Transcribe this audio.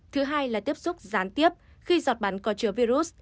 thứ hai là tiếp xúc gián tiếp khi giọt bắn có chứa virus